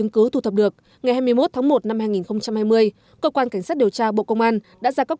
cảnh sát điều tra bộ công an c ba